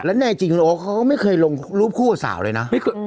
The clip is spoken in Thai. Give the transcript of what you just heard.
และแน่จริงโอ๊คเขาก็ไม่เคยลงรูปคู่กับสาวเลยนะ